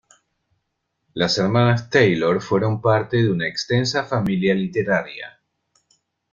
Las hermanas Taylor fueron parte de una extensa familia literaria.